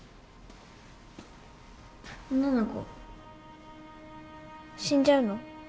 女の子死んじゃうの？